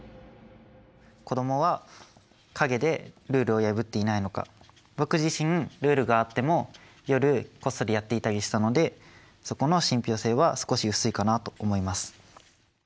子供は陰でルールを破っていないのか僕自身ルールがあっても夜こっそりやっていたりしたのでそこの信ぴょう性は少し薄いかなと思います。